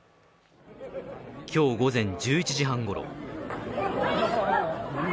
今日午前１１時半ごろ。